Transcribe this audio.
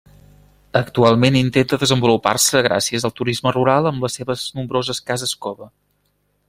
Actualment intenta desenvolupar-se gràcies al turisme rural amb les seves nombroses cases-cova.